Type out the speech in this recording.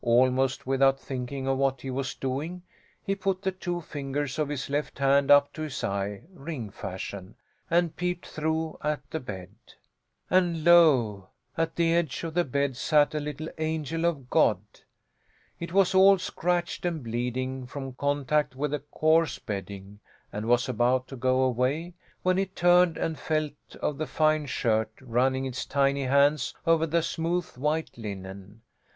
Almost without thinking of what he was doing he put the two fingers of his left hand up to his eye, ring fashion, and peeped through at the bed. And lo, at the edge of the bed sat a little angel of God! It was all scratched, and bleeding, from contact with the coarse bedding, and was about to go away, when it turned and felt of the fine shirt, running its tiny hands over the smooth white linen.